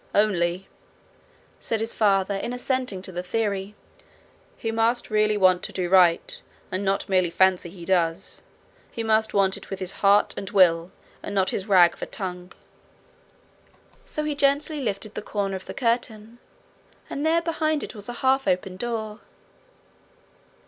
'Only,' said his father, in assenting to the theory, 'he must really want to do right, and not merely fancy he does. He must want it with his heart and will, and not with his rag of a tongue.' So he gently lifted the corner of the curtain, and there behind it was a half open door.